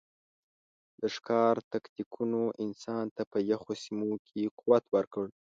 د ښکار تکتیکونو انسان ته په یخو سیمو کې قوت ورکړ.